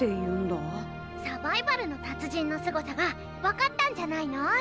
サバイバルの達人のすごさが分かったんじゃないの？